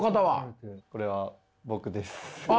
これは僕です。